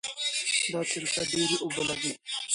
دا طریقه ډېرې اوبه لګوي.